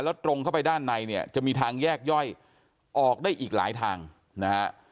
แล้วตรงเข้าไปด้านในเนี่ยจะมีทางแยกย่อยออกได้อีกหลายทางนะฮะ